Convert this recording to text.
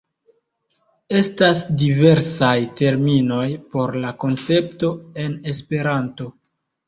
Estas diversaj terminoj por la koncepto en Esperanto.